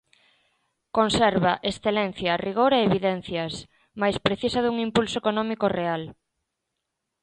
Conserva "excelencia, rigor e evidencias", mais precisa dun impulso económico real.